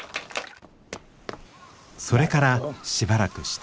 それからしばらくして。